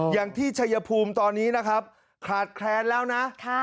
ชัยภูมิตอนนี้นะครับขาดแคลนแล้วนะ